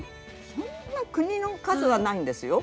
そんな国の数はないんですよ。